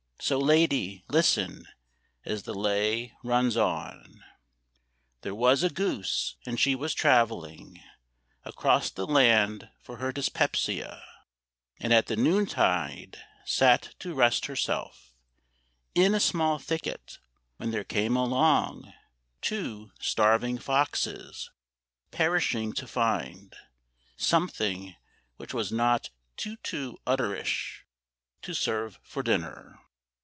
So, lady, listen as the lay runs on. There was a goose, and she was travelling Across the land for her dyspepsia, And at the noontide sat to rest herself In a small thicket, when there came along Two starving foxes, perishing to find Something which was not too too utter ish To serve for dinner.